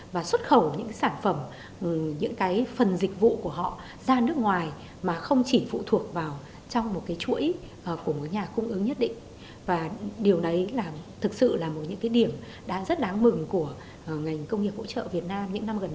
và xuất khẩu những sản phẩm những phần dịch vụ của họ ra nước ngoài mà không chỉ phụ thuộc vào trong một chuỗi của nhà sản phẩm